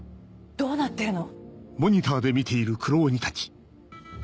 どうなってるの？